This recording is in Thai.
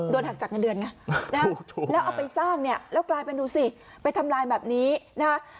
หักจากเงินเดือนไงแล้วเอาไปสร้างเนี่ยแล้วกลายเป็นดูสิไปทำลายแบบนี้นะฮะ